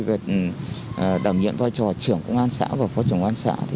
việc đảm nhiệm vai trò trưởng công an xã và phó trưởng công an xã